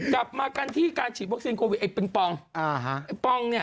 กลับมากันที่การฉีดวัคซีนโควิดเป็นปอง